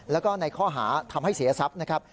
แล้วก็ในข้อหาทำให้เสียทรัพย์นะครับ